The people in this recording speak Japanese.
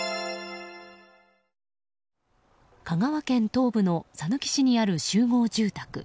香川県東部のさぬき市にある集合住宅。